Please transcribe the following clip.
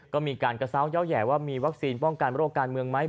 ก็มีการกระเศร้ายาวแห่ว่ามีวัคซีนป้องกันโรคการเมืองไหม